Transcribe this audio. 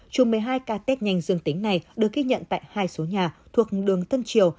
chung một mươi hai ca test nhanh dương tính này được ghi nhận tại hai số nhà thuộc đường tân triều